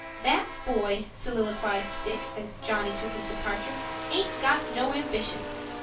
"That boy," soliloquized Dick, as Johnny took his departure, "aint got no ambition.